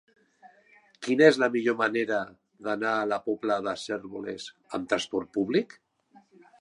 Quina és la millor manera d'anar a la Pobla de Cérvoles amb trasport públic?